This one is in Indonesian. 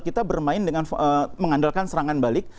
kita bermain dengan mengandalkan serangan balik